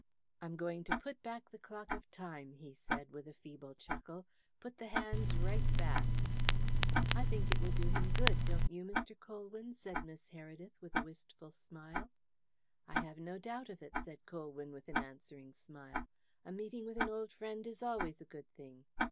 "I'm going to put back the clock of Time," he said, with a feeble chuckle. "Put the hands right back." "I think it will do him good, don't you, Mr. Colwyn?" said Miss Heredith with a wistful smile. "I have no doubt of it," said Colwyn with an answering smile. "A meeting with an old friend is always a good thing.